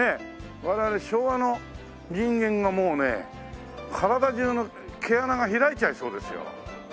我々昭和の人間がもうね体中の毛穴が開いちゃいそうですよ。